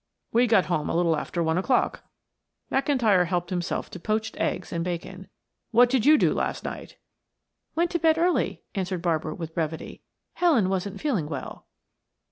"We got home a little after one o'clock." McIntyre helped himself to poached eggs and bacon. "What did you do last night?" "Went to bed early," answered Barbara with brevity. "Helen wasn't feeling well."